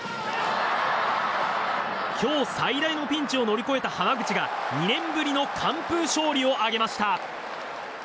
今日最大のピンチを乗り越えた濱口が２年ぶりの完封勝利を挙げました。